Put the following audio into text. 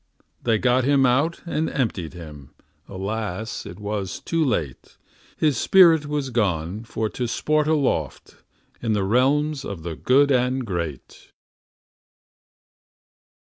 They got him out and emptied him; Alas it was too late; His spirit was gone for to sport aloft In the realms of the good and great.